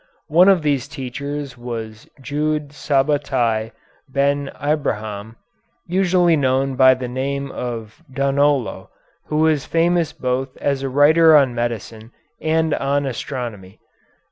One of these teachers was Jude Sabatai Ben Abraham, usually known by the name of Donolo, who was famous both as a writer on medicine and on astronomy.